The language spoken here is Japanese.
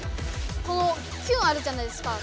このキュンあるじゃないですか。